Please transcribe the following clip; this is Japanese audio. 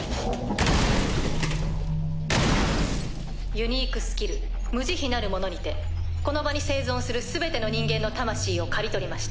ユニークスキル心無者にてこの場に生存する全ての人間の魂を狩り取りました。